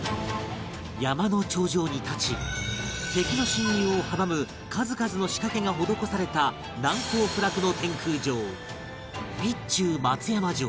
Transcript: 山の頂上に立ち敵の侵入を阻む数々の仕掛けが施された難攻不落の天空城